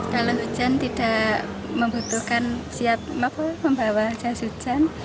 kalau hujan tidak membutuhkan siap membawa jas hujan